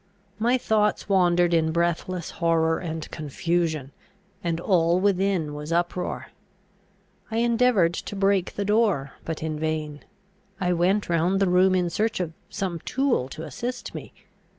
My thoughts wandered in breathless horror and confusion, and all within was uproar. I endeavoured to break the door, but in vain. I went round the room in search of some tool to assist me.